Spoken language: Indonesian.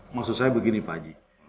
maksud saya begini pak haji